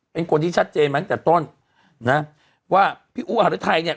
เป็นคนที่ชัดเจนมาตั้งแต่ต้นนะว่าพี่อู๋หารุทัยเนี่ย